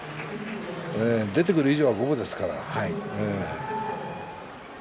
出てくる以上はお互い五分ですから。